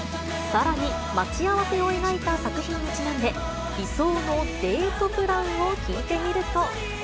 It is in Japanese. さらに、待ち合わせを描いた作品にちなんで、理想のデートプランを聞いてみると。